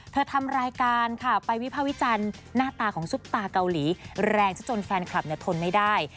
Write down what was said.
ทำรายการค่ะไปวิภาควิจารณ์หน้าตาของซุปตาเกาหลีแรงซะจนแฟนคลับทนไม่ได้